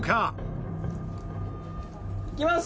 「いきます」